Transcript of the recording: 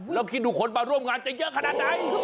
ลองดูคนมาร่วมงานจะเยอะขนาดไหน